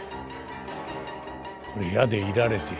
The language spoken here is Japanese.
これ矢で射られて。